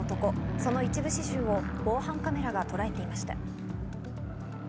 その一部始終を防犯カメラがとらえていました。